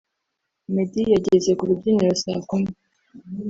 Meddy yageze ku rubyiniro saa kumi